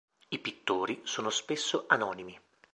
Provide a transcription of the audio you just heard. I pittori sono spesso anonimi.